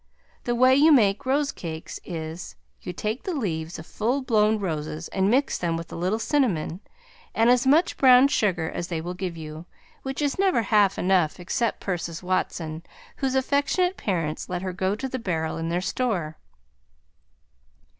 The way you make rose cakes is, you take the leaves of full blown roses and mix them with a little cinnamon and as much brown sugar as they will give you, which is never half enough except Persis Watson, whose affectionate parents let her go to the barrel in their store.